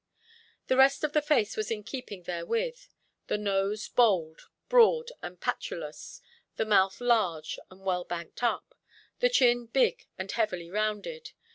The rest of the face was in keeping therewith: the nose bold, broad, and patulous, the mouth large and well banked up, the chin big and heavily rounded.